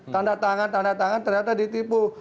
tanda tangan tanda tangan ternyata ditipu